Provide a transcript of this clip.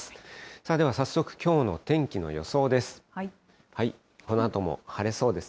さあ、では早速、きょうの天気の予想です。